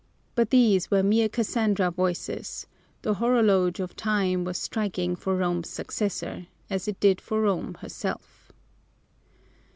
But these were mere Cassandra voices the horologe of time was striking for Rome's successor, as it did for Rome herself.